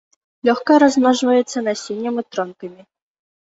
Лёгка размножваецца насеннем і тронкамі.